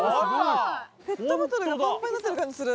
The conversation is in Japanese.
ペットボトルがパンパンになってる感じする。